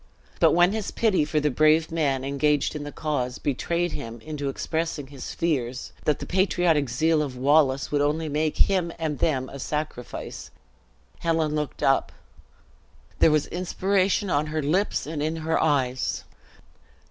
But when his pity for the brave man engaged in the cause, betrayed him into expressing his fears that the patriotic zeal of Wallace would only make him and them a sacrifice, Helen looked up; there was inspiration on her lips and in her eyes.